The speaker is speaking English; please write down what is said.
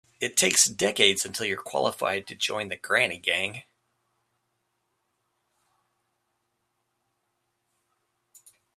It takes decades until you're qualified to join the granny gang.